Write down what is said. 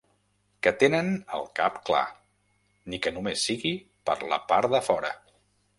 Que tenen el cap clar, ni que només sigui per la part de fora.